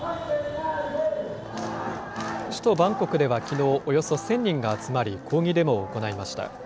首都バンコクではきのう、およそ１０００人が集まり、抗議デモを行いました。